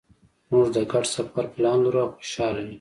مونږ د ګډ سفر پلان لرو او خوشحاله یو